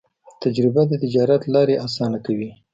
تجربه د تجارت لارې اسانه کوي.